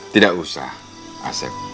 tidak perlu pak mat